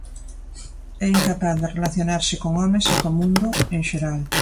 É incapaz de relacionarse con homes e co mundo, en xeral.